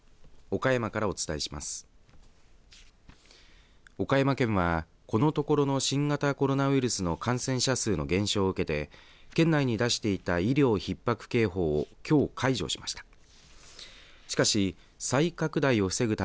岡山県は、このところの新型コロナウイルスの感染者数の減少を受けて県内に出していた医療ひっ迫警報をきょう、解除しました。